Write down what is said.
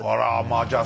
あじゃあ